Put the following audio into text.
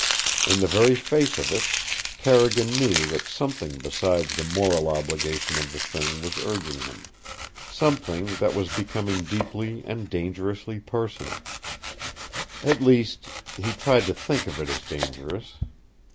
In the very face of it Carrigan knew that something besides the moral obligation of the thing was urging him, something that was becoming deeply and dangerously personal. At least he tried to think of it as dangerous.